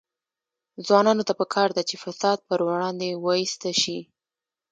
ځوانانو ته پکار ده چې، فساد پر وړاندې وایسته شي.